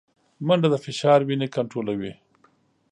منډه د فشار وینې کنټرولوي